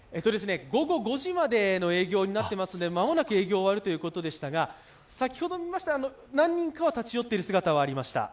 午後５時までの営業になっていますので間もなく営業が終わるということでしたが、先ほど見ましたら、何人かは立ち寄っている姿はありました。